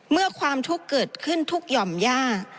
เมื่อความทุกข์เกิดขึ้นทุกข์หย่อมยาก